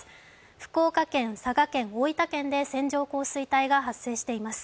福岡県、佐賀県、大分県で線状降水帯が発生しています。